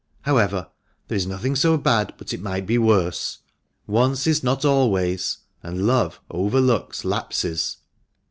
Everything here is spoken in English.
However, there is nothing so bad but it might be worse. Once is not always, and love overlooks lapses."